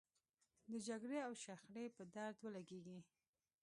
د جګړې او شخړې په درد ولګېږي.